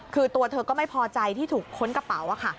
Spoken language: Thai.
คือตัวเธอก็ไม่พอใจที่ถูกค้นกระเป๋าค่ะ